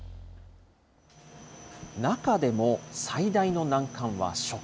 中でも、最大の難関は食。